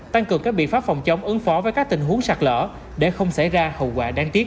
tăng cường các biện pháp phòng chống ứng phó với các tình huống sạt lỡ để không xảy ra hậu quả đáng tiếc